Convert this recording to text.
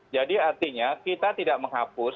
jadi artinya kita tidak menghapus